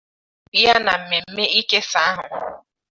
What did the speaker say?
N'okwu ya na mmemme ikesà ahụ